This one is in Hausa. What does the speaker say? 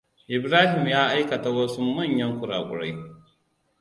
Ibrahima ya aikata wasu manyan kurakurai.